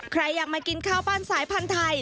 ใครอยากมากินข้าวปั้นสายพันธุ์ไทย